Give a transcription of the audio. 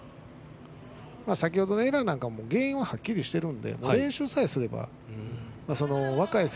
先ほどのエラーなどは原因ははっきりしていますので、練習さえすれば直ると思います。